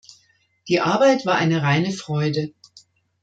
Die Arbeit war eine reine Freude.